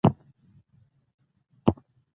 دا راته اسانه ښکاري.